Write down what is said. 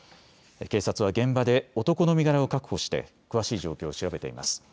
警察は現場で男の身柄を確保して詳しい状況を調べています。